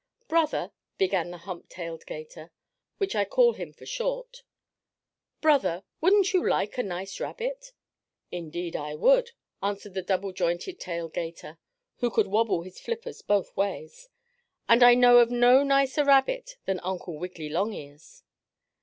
"Brother," began the hump tailed 'gator (which I call him for short), "brother, wouldn't you like a nice rabbit?" "Indeed I would," answered the double jointed tail 'gator, who could wobble his flippers both ways. "And I know of no nicer rabbit than Uncle Wiggily Longears."